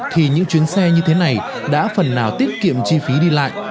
thì những chuyến xe như thế này đã phần nào tiết kiệm chi phí đi lại